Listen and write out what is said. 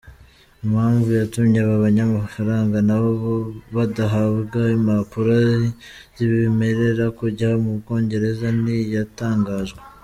Impamvu yatumye aba banyamafaranga na bo badahabwa impapuro zibemerera kujya mu Bwongereza ntiyatangajwe.